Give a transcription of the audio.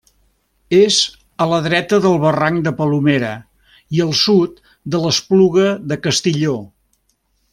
És a la dreta del barranc de Palomera i al sud de l'Espluga de Castilló.